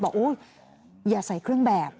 อุ๊ยอย่าใส่เครื่องแบบ